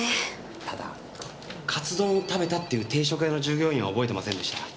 ただカツ丼を食べたっていう定食屋の従業員は覚えてませんでした。